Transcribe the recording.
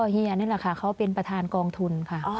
เฮียนี่แหละค่ะเขาเป็นประธานกองทุนค่ะ